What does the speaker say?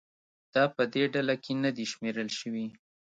دا په دې ډله کې نه دي شمېرل شوي